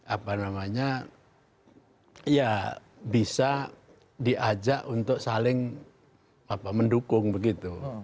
apa namanya ya bisa diajak untuk saling mendukung begitu